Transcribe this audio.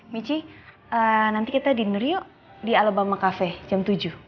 michi nanti kita diner yuk di alabama cafe jam tujuh